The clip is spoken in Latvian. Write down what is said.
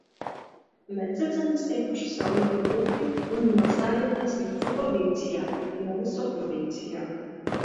Mēs esam izteikuši savu viedokli un nostājamies jūsu pozīcijā, nevis opozīcijā.